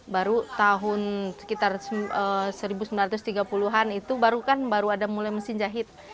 baru tahun sekitar seribu sembilan ratus tiga puluh an itu baru kan baru ada mulai mesin jahit